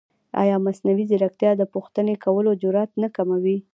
ایا مصنوعي ځیرکتیا د پوښتنې کولو جرئت نه کموي؟